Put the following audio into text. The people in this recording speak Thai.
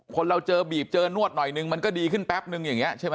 คนเราเจอบีบเจอนวดหน่อยนึงมันก็ดีขึ้นแป๊บนึงอย่างนี้ใช่ไหม